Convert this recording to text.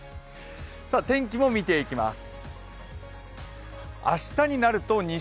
天気も見ていきます。